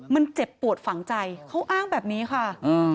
มันเจ็บปวดฝังใจเขาอ้างแบบนี้ค่ะ